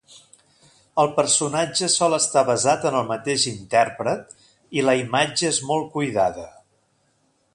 El personatge sol estar basat en el mateix intèrpret i la imatge és molt cuidada.